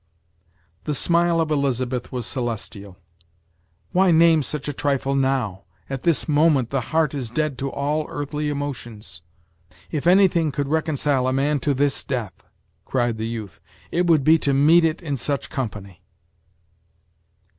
The smile of Elizabeth was celestial. "Why name such a trifle now? at this moment the heart is dead to all earthly emotions!" "If anything could reconcile a man to this death," cried the youth, "it would be to meet it in such company!"